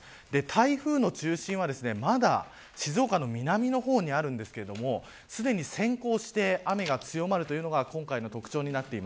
台風の中心はまだ静岡の南の方にありますがすでに先行して雨が強まるというのが今回の特徴です。